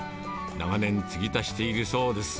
長年、つぎ足しているそうです。